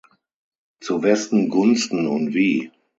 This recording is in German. Zu wessen Gunsten und wie?